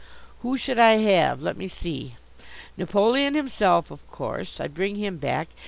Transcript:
Who should I have? Let me see! Napoleon himself, of course. I'd bring him back.